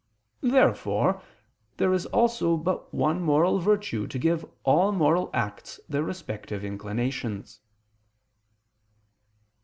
Therefore there is also but one moral virtue to give all moral acts their respective inclinations.